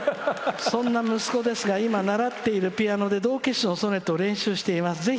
そんな息子ですが今、習っているピアノで「道化師のソネット」を練習しています。